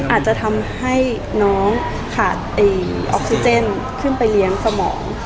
อาจจะทำให้น้องขาดออกซิเจนขึ้นไปเลี้ยงสมอง